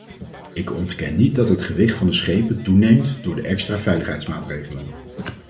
Ik ontken niet dat het gewicht van de schepen toeneemt door de extra veiligheidsmaatregelen.